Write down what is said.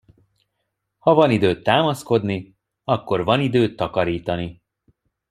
Ha van időd támaszkodni, akkor van időd takarítani.